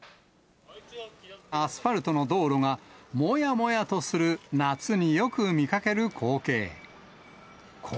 アスファルトの道路がもやもやとする、夏によく見かける光景。